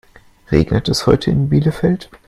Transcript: Regnet es heute in Bielefeld?